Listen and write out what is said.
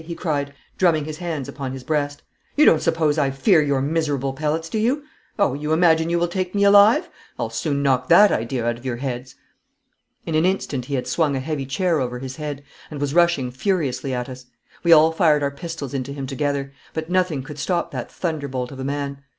he cried, drumming his hands upon his breast. 'You don't suppose I fear your miserable pellets, do you? Oh, you imagine you will take me alive! I'll soon knock that idea out of your heads.' In an instant he had swung a heavy chair over his head, and was rushing furiously at us. We all fired our pistols into him together, but nothing could stop that thunderbolt of a man.